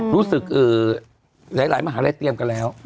รู้สึกหลายมหาลัยเตรียมกันแล้ว